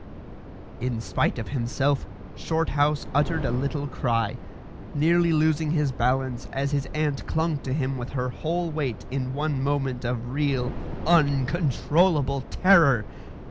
In spite of himself, Shorthouse uttered a little cry, nearly losing his balance as his aunt clung to him with her whole weight in one moment of real, uncontrollable terror.